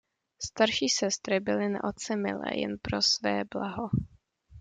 Starší sestry byly na otce milé jen pro své blaho.